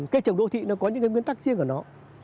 cây trồng đô thị nó có những cái nguyên tắc riêng của nó